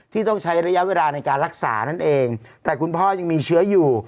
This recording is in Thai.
ต้องใช้ระยะเวลาในการรักษานั่นเองแต่คุณพ่อยังมีเชื้ออยู่